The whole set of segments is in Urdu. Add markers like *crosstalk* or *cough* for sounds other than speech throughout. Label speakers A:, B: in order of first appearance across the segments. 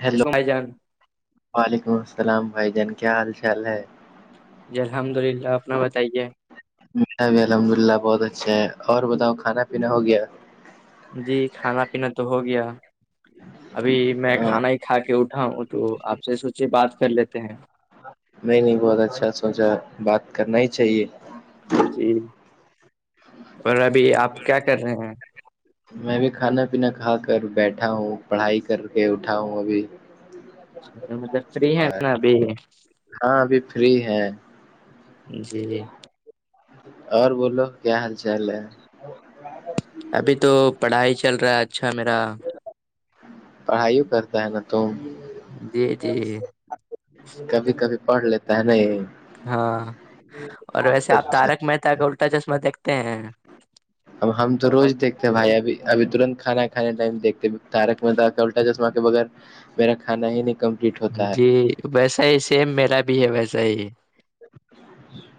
A: ہیلو
B: کیسے ہو بھائی جان
A: وعلیکم السلام بھائی جان کیا حال چال ہے
B: جی الحمد للہ اپنا بتائیے
A: میرا بھی الحمد للہ بہت اچھا ہے اور بتاؤ کھانا پینا ہو گیا
B: جی کھانا پینا تو ہو گیا ابھی میں
A: ہاں،
B: کھانا ہی کھا کے اٹھا ہوں تو آپ سے سوچے بات کر لیتے ہیں
A: نہیں نہیں بہت اچھا سوچا بات کرنا ہی چاہیے
B: جی اور ابھی آپ کیا کر رہے ہیں
A: میں بھی کھانا پینا کھا کر بیٹھا ہوں پڑھائی کر کے اٹھا ہوں ابھی
B: اچھا مطلب فری ہے
A: اور
B: نا ابھی
A: ہاں ابھی فری ہے
B: جی جی
A: اور بولو کیا حال چال ہے اور کا غلطی
B: ابھی تو پڑھائی چل رہا ہے اچھا میرا
A: پڑھائیوں کرتا ہے نا تم
B: جی جی
A: کبھی کبھی پڑھ لیتا ہے نا یہ
B: ہاں اور ویسے آپ
A: اچھا
B: تارک مہتا کا الٹا چشمہ دیکھتے ہیں
A: اب ہم تو روز دیکھتے بھائی ابھی ابھی ترنت کھانا کھانے ٹائم دیکھتے تارک مہتا کا الٹا چشمہ کے بغیر میرا کھانا ہی نہیں کم
B: جی ویسا ہی سیم میرا بھی ہے ویسا ہی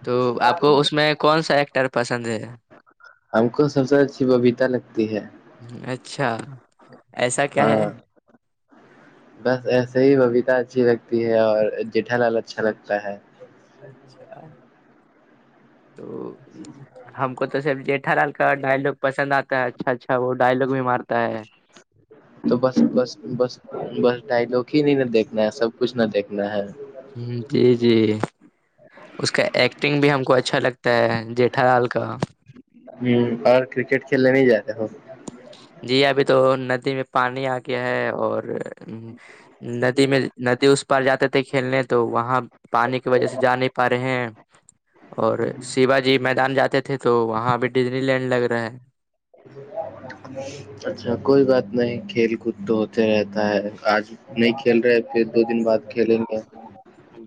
B: تو آپ کو اس میں کون سا ایکٹر پسند ہے
A: ہم کو سب سے اچھی ببیتا لگتی ہے
B: اچھا ایسا کیا ہے
A: ہاں بس ایسے ہی ببیتا اچھی لگتی ہے اور جیٹھا لال اچھا لگتا ہے
B: اچھا تو ہم کو تو سب جیٹھا لال کا ڈائلگ پسند آتا ہے اچھا اچھا وہ ڈائلگ بھی مارتا ہے
A: تو بس بس بس بس ڈائلگ ہی نہیں نا دیکھنا ہے سب کچھ نہ دیکھنا نہ ہی
B: ہو جی جی اس کا ایکٹنگ بھی ہم کو اچھا لگتا ہے جیٹھا لال کا
A: ہو اور کرکٹ کھیلنے نہیں جاتے ہو
B: جی ابھی تو ندی میں پانی آ گیا ہے اور ہ ندی میں ندی اس اس پار جاتے تھے کھیلنے تو وہاں پانی کی وجہ سے جا نہیں پا رہے ہیں اور شیوا جی میدان جاتے تھے تو وہاں بھی ڈزنی لینڈ لگ رہا ہے
A: اچھا کوئی بات نہیں کھیل کود تو ہوتے رہتا ہے آج نہیں
B: ہے
A: کھیل رہے پھر دو دن بعد کھیلیں گے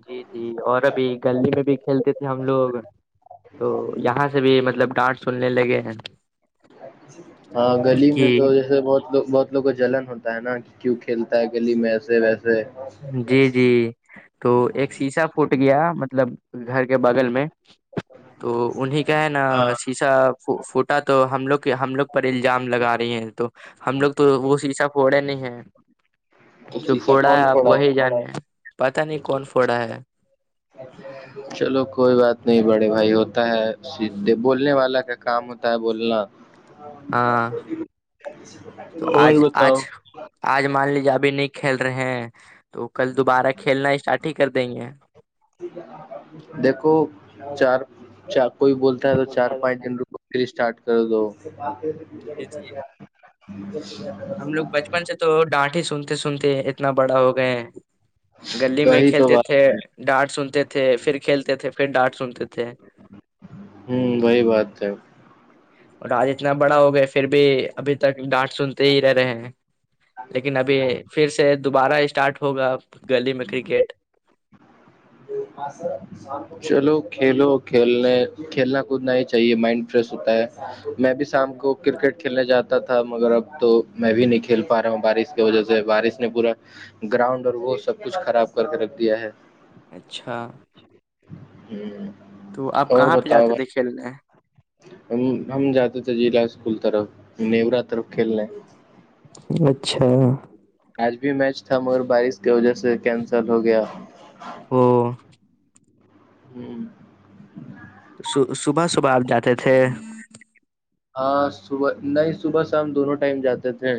B: جی جی اور ابھی گلی میں بھی کھیلتے تھے ہم لوگ تو یہاں سے بھی مطلب ڈانٹ سننے لگے ہیں
A: ہاں گلی
B: کہ
A: میں تو جیسے بہت لوگ بہت لوگو جلن ہوتا ہے نا کہ کیوں کھیلتا ہے گلی میں ایسے ویسے
B: جی جی تو ایک شیشا پوٹ گیا مطلب گھر کے بغل میں تو انیں کا ہے نا
A: ہاں
B: سیسا فوٹا تو ہم لوگ کے ہم لوگ پر الزام لگا رہی ہیں تو ہم لوگ تو وہ شیسا پھوڑے نہیں ہے
A: تو
B: جو
A: شیشا
B: پھوڑا ہے
A: کون
B: اب
A: تھا
B: ہے پتا نہیں کون فوڑا ہے
A: اچھا چلو کوئی بات نہیں بڑے بھائی ہوتا ہے سھے بولنے والا کا کام ہوتا ہے بولنا
B: ہاں تو
A: اور
B: آج
A: بتاؤ
B: آج آج مان لیجے ابھی نہیں کھیل رہے ہیں تو کل دوبارہ کھیلنا اسٹارٹ ہی کر دیں گے
A: دیکھو چار چار کوئی بولتا ہے تو چار پانچ دن رپئے اسٹارٹ کر دو
B: جی جی
A: ش
B: ہم لوگ بچپن سے تو ڈانٹ ہی سنتے سنتے اتنا بڑا ہو گئے ہیں گلی میں
A: وہی تو
B: کھیلتے تھے
A: بات ہے
B: ڈانٹ سنتے تھے پھر کھیلتے تھے پھر ڈانٹ سنتے تھے
A: ہوں وہی بات ہے
B: اور آج اتنا بڑا ہو گیا پھر بھی ابھی تک ڈانٹ سنتے ہی رہ رہے ہیں لیکن ابھی پھر سے دوبارہ اسٹارٹ ہوگا گلی میں کرکٹ
A: ہاں سر چلو کھیلو کھیلنے کھیلنا کودنا ہی چاہیے مائنڈ فریش ہوتا ہے میں بھی شام کو کرکٹ کھیلنے جاتا تھا مگر اب تو میں بھی نہیں کھیل پا رہا ہوں بارش کی وجہ سے بارش نے پورا گراؤنڈ اور وہ سب کچھ خراب کر کے رکھ دیا ہے
B: اچھا
A: ا
B: تو آپ کہاں پہ جاتے تھے کھیلنے
A: ہم ہم جاتے تھے ضلع اسکول طرف نیورا طرف کھیلنے
B: اچھا
A: آج بھی میچ تھا مگر بارش کی وجہ سے کینسل ہو گیا
B: او
A: ہوں
B: صبح صبح آپ جاتے تھے
A: ہاں صبح نہیں صبح شام دونوں ٹائم جاتے تھے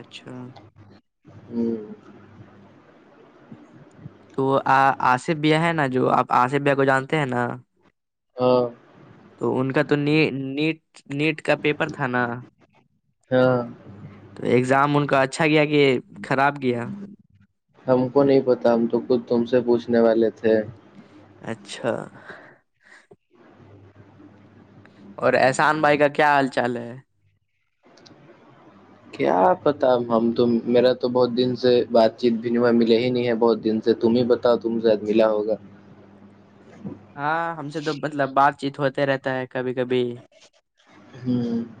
B: اچھا
A: ہوں *inaudible*
B: تو آصف بیا ہے نا جو آپ آصف بیا کو جانتے ہیں نا
A: ہاں *inaudible*
B: تو ان کا تو ن نیٹ نیٹ کا پیپر تھا نا
A: ہاں
B: تو ایگزام ان کا اچھا گیا کہ خراب گیا
A: ہم کو نہیں پتا ہم تو خود تم سے پوچھنے والے تھے
B: اچھا اور احسان بھائی کا کیا حال چال ہے
A: کیا پتا ہم تو میرا تو بہت دن سے بات چیت بھیو ملے ہی نہیں ہے بہت دن سے ج تم ہی بتاؤ تم شاید ملا ہوگا
B: ہاں ہم سے تو مطلب بات چیت ہوتے رہتا ہے کبھی کبھی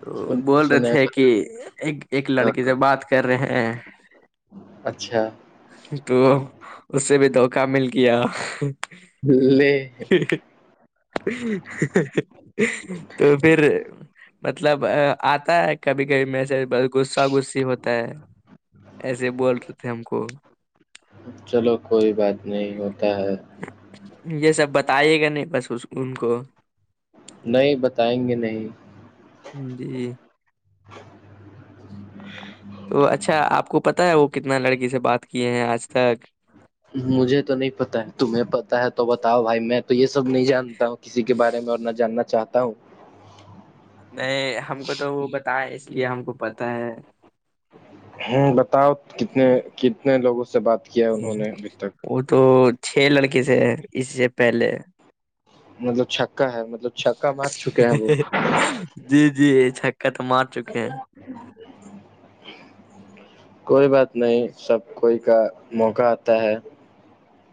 B: تو بول رہے
A: سنے
B: تھے کہ ایک ایک لڑکی سے بات کر رہے ہیں
A: اچھا
B: تو اس سے بھی دوکہ مل کیا
A: الے *inaudible*
B: تو پھر *unintelligible* مطلب آتا ہے کبھی کبھی میں سے غصہ غسی ہوتا ہے ایسے بول رہے تھے ہم کو
A: چلو کوئی بات نہیں ہوتا ہے
B: یہ سب بتے گا نہیں بس ان کو
A: نہیں بتائیں گے نہیں
B: جی تو اچھا آپ کو پتا ہے وہ کتنا لڑکی سے بات کیے ہیں آج تک
A: مجھے تو نہیں پتا ہے تمہیں پتتا ہے تو بتاؤ بھائی میں تو یہ سب نہیں جانتا ہوں کسی کے بارے میں اور نہ جاننا چاہتا ہوں
B: نہیں ہم کو تو وہ بتا ہے اس لیے ہم کو پتا ہے
A: بتاؤ کتنے لوگوں سے بات کیا ہے انہوں نے ابھی تک
B: وہ تو چھ لڑکے تھ اس سے پہلے
A: مطلب چھکا ہے مطلب چھکا مار چکے ہیں وہ
B: جی جی چھکا تو مار چکے ہیں *inaudible*
A: کوئی بات نہیں سب کوئی کا موقع آتا ہے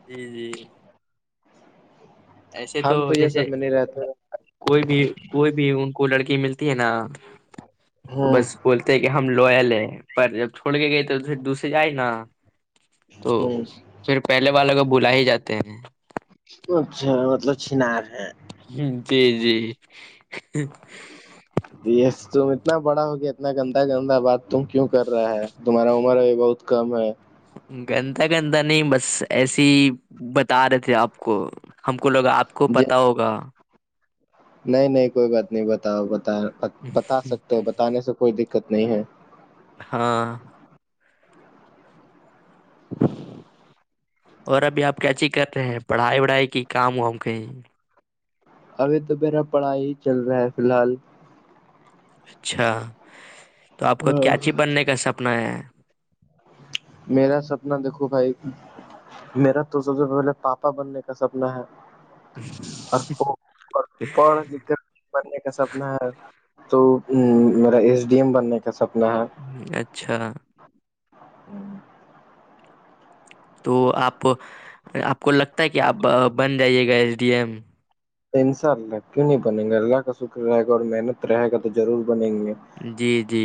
B: جی جی ایسے تو
A: ہم یہ
B: جیسے
A: سب میں نہیں رہتا
B: کوئی بھی کوئی بھی ان کو لڑکی ملتی ہے نا تو
A: ہوں
B: بس بولتے ہیں کہ ہم لوئل ہے پر جب چھوڑ کے گئے تو پھر دوسرے جائے نا تو
A: ہوں
B: پھر پہلے والے کو بلا ہی جاتے ہیں
A: اچھا مطلب چنار ہے
B: جی جی
A: یس تم اتنا بڑا ہوگیا اتنا گندا گندا بات تم کیوں کر رہا ہے تمہارا عمر بھی بہت کم ہے
B: گندہ گندہ نہیں بس ایسے ہی بتا رہے تھے آپ کو ہم کو لوگا آپ کو
A: جی
B: پتا ہوگا
A: نہیں نہیں کوئی بات نہیں بتاؤ بتا بتا سکتے ہو بتانے سے کوئی دقت نہیں ہے
B: ہاں اور ابھی آپ کیا چی کر رہے ہیں پڑھائی وڑھائی کی کام ہو ہم کہیں
A: ابھی تو میرا پڑھائی ہی چل رہا ہے فی الحال
B: اچھا تو آپ کا کیاچی بننے کا سپنا ہے
A: میرا سپنا دیکھو بھائی میرا تو سب سے پہلے پاپا بننے کا سپنا ہے اور
B: *unintelligible*
A: پڑھ لکھ کر بننے کا سپنا ہے تو میرا ایس ڈی ایم بننے کا سپنا ہے
B: اچھا تو آپ آپ کو لگتا ہے کہ آپ بن جائیے گا ایس ڈی ایم
A: انشاء اللہ کیوں نہیں بنیں گا اللہ کا شکر رہے گا اور محنت رہے گا تو ضرور بنیں گے
B: جی جی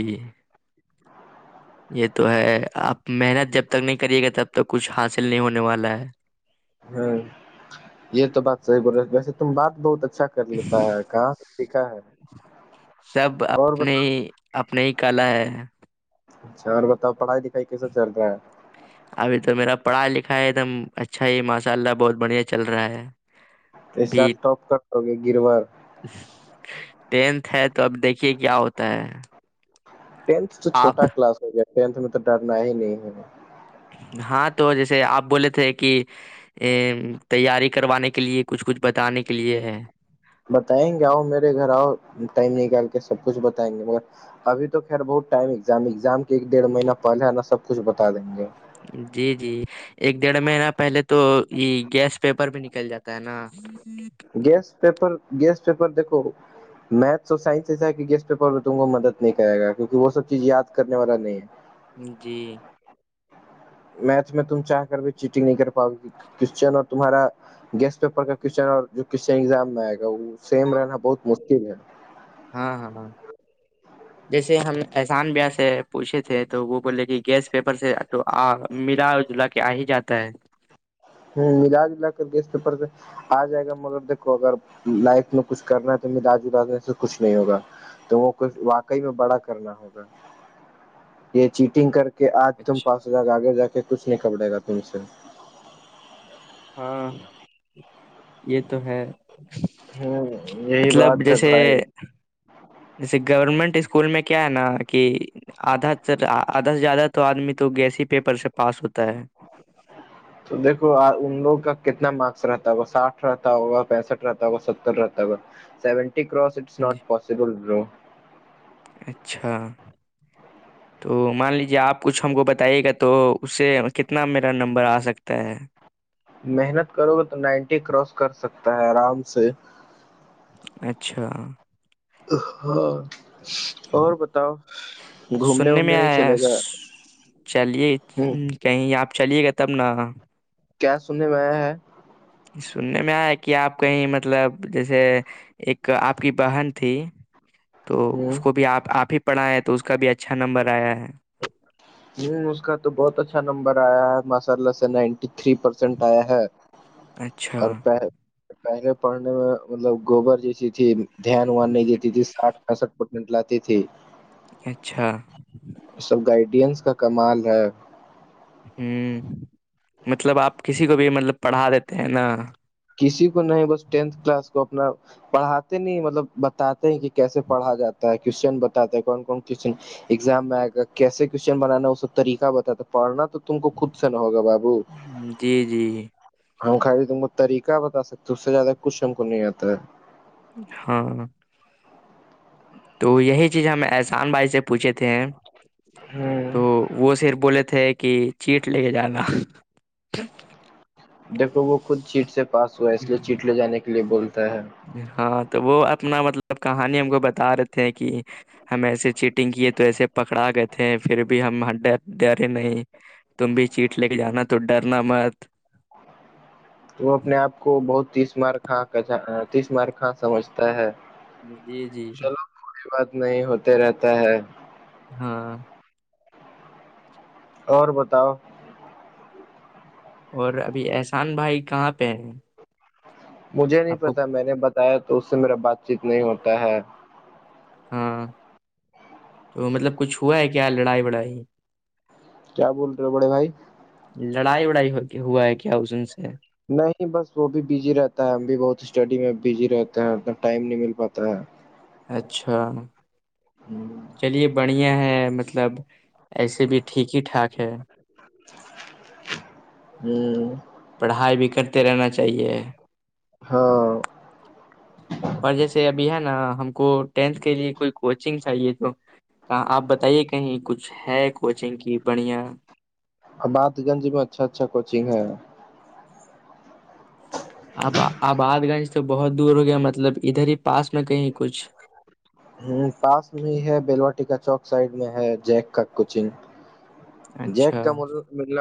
B: یہ تو ہے آپ محنت جب تک نہیں کریے گا تب تک کچھ حاصل نہیں ہونے والا ہے
A: ہاں یہ تو بات صحیح بول رہے ویسے تم بات بہت اچھا کر لیتا ہے کہاں سے سھا ہے
B: سب
A: اور
B: اپنے ہی اپنے ہی کلا ہے
A: اچھا اور بتاؤ پڑھائی لکھائی کیسا چلتا ہے
B: ابھی تو میرا پڑھا لکھا ہے ایک دم اچھا ہی ماشاء اللہ بہت بڑھیا چل رہا ہے
A: پ سال
B: ابھی
A: ٹاپ کٹو گے گرور
B: ٹینتھ ہے تو اب دیکھیے کیا ہوتا ہے
A: ٹینتھ تو
B: آپ
A: چھوٹا کلاس ہو گیا ٹینتھ میں تو ڈرنا ہی نہیں ہے
B: ہاں تو جیسے آپ بولولے تھے کہ ا تیاری کروانے کے لیے کچھ کچھ بتانے کے لیے ہے
A: بتائیں گے آؤ میرے گھر آؤ ٹائم نکال کے سب کچھ بتائیں گے مگر ابھی تو خیر بہت ٹائم ایزام ایگزام کے ایک ڈڑھ مہینہ پہلے نا سب کچھ بتا دیں گے
B: جی جی ایک ڈیڑھ مہینہ پہلے تو یہ گیس پیپر بھی نکل جاتا ہے نا
A: گیس پپر گیس پیپر دیکھو میتھ اور سائنس جسا کہ گیسٹ پیپر ہو تم کو مدد نہیں کرے گا کیک کہ وہ سب چیز یاد کرنے والا نہیں ہے
B: جی
A: میتھ میں تم چاہ کر بھی چیٹنگ نہیں کر پاؤ کرشچن اور تمہارا گیسٹ پیپر کا کویچن اور جوشچن ایگزام میں آئے گا وہ سیم رہنا بہت مشکل ہے
B: ہاں ہاں ہاں جیسے ہم احسان بیا سے پوچھے تھے تو وہ بولے کہ گیس پیپر سے ملا جلا کے آ ہی جاتا ہے
A: ہ ملا جلا کر گیس پ پڑتے آ جائے گا مگر دیکھو اگر لائق میں کچھ کرنا ہے تو ملااج اداز میں سے کچھ نہیں ہوگا تو وہ کچھ واقعی میں بڑا کرنا ہوگا یہ چیٹنگ کر کہ آج تم
B: اچھا
A: پاس ہو جائے گا آگے جا کے کچھ نہیں کرڑے گا تم سے
B: ہاں یہ تو ہے
A: ہ یہی بات
B: مطلب
A: ہے
B: جیسے
A: بھائی
B: جیسے گورنمنٹ اسکول میں کیا ہے نا کہ آدھا آدھا سے زیادہ تو آدمی تو گیسی پیپر سے پاس ہوتا ہے
A: تو دیکو ان لوگ کا کتنا مارکس رہتا ہوگا ساٹھ رہتا ہوگا پینسٹھ رہتا ہوگا ستر رہتا ہوگا سیونٹیسٹ نٹ
B: جی
A: پابلو
B: اچھا تو مان لیجیے آپ کچھ ہم کو بتائیے گا تو اس سے کتنا میرا نمبر آ سکتا ہے
A: محنت کرو گے تو نائنٹی کراس کر سکتا ہے آرام سے
B: اچھا
A: ہاں اور بتاؤ گھومنے
B: سننے
A: وومنے
B: میں
A: نہیں
B: آیا ہے۔
A: چلے گا
B: چلیے
A: ہوں
B: کہیں آپ چلیے گا تب نا
A: کیا سننے میں آ ہے
B: سننے میں آئے کہ آپ کہیں مطلب جیسے ایک آپ کی بہن تھی تو
A: ہوں
B: اس کو بھی آپ ہی پڑھائ ہے تو اس کا بھی اچھا نمبر آیا ہے
A: نہیںی اس کا تو بہت اچھا نمبر آیا ہے ماشاء اللہ سے نائنٹی تھری پرسینٹ آیا ہے
B: اچھا
A: اور پہلے پڑھنے میں مطلب گوبر جیسی تھی دھیان وان نہیں دیتی تھی سٹھ پینسٹھ پرسینٹ لاتی تھی
B: اچھا
A: سب گائیڈینس کا کمال ہے
B: ہوں مطلب آپ کسی کو بھی مطلب پڑھا دیتے ہیں نا
A: کسی کو نہیں بس ٹینتھ کلاس کو اپنا پڑاتے نہیں مطلب بتاتے ہیں کہ کیسے پڑھا جاتا ہے کوشچن بتاتے ہیں کون کون کوچن اگزام میں کیسے کوشچن بنانا وہ سب طریقہ بتاتا پڑھنا تو تم کو خود سے نہ ہوگا بابو
B: جی جی
A: ہم خالی تم کو طریقہ بتا سکتے اس سے زیادہ کچھ ہم کو نہیں آتا ہے
B: ہاں تو یہی چیز ہمیں احسان بھائی سے پوچھے تھے
A: ہ
B: تو وہ صر بولے تھے کہ چیٹ لے کے جانا
A: دیکھو وہ خود چیٹ سے پاس ہوا اس لیئے چیٹ لے جانے کےلئے بولتا ہے
B: ہاں تو وہ اپنا مطلب کہانی ہم کو بتا رہے تھ ہیں کہ ہم ایسے چیٹنگ کیے تو ایسے پکڑا گئے تھے پھر بھی ہم ڈ ڈرے نہیں تم بھی چیٹ لے کے جانا تو ڈرنا مت
A: تو وہ اپنے آپ کو بہت تیس مارک تیس مار خاں سمجھتا ہے
B: جی جی جی
A: چلو کوئی بات نہیں ہوتے رہتا ہے
B: ہاں
A: اور بتاؤ
B: اور ابھی احسان بھائی کہاں پہ ہیں
A: مجھے نہیں
B: آپ کو
A: پتا میں نے بتایا تو اس سے میرا بات چیت نہیں ہوتا ہے
B: ہاں تو مطلب کچھ ہوا ہے کیا لڑائی وڑائی
A: کیا بول رہے ہو بڑے بھائی
B: لڑائی وڑائی ہو کے ہوا ہے کیا اسن سے
A: نہیں بس وہ بھی بزی رہتا ہے ہم بھی بہت اسٹڈی میں بزی رہتے ہیں انا ٹائم نہیں مل پاتا ہے
B: اچھا
A: ہوں
B: چلیے بڑھیا ہے مطلب ایسے بھی ٹھیک ہی ٹھاک ہے
A: ہ
B: پڑھائی بھی کرتے رہنا چاہیے
A: ہ ہاں
B: اور جیسے ابھی ہے نا ہم کو ٹینتھ کے لیے کوئی کوچنگ چاہیے تو کہاں آپ بتائیے کہیں کچھ ہے کوچنگ کی بڑھیا
A: باد گنج میں اچھا اچھا کوچنگ ہے
B: اب آباد گنج تو بہت دور ہو گیا مطلب ادھر ہی پاس میں کہیں کچھ
A: ہ پاس میں ہے بیلواٹی کا چوک سائڈ میں ہے جیک کا کوچنگ جیک
B: اچھا
A: کا م مطلب